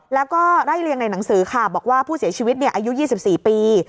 แล้วก็ไล่เรียงในหนังสือค่ะบอกว่าผู้เสียชีวิตอายุ๒๔ปี